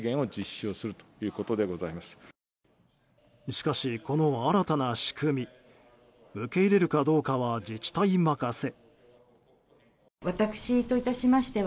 しかし、この新たな仕組み受け入れるかどうかは自治体任せ。